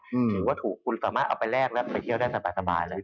ถือว่าถูกคุณสามารถเอาไปแลกแล้วไปเที่ยวได้สบายเลย